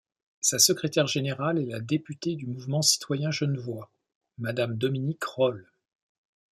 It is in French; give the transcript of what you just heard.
Sa secrétaire-général est la député du Mouvement Citoyen Genevois, Madame Dominique Rolle.